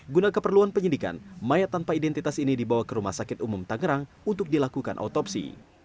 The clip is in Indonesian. guna keperluan penyidikan mayat tanpa identitas ini dibawa ke rumah sakit umum tangerang untuk dilakukan otopsi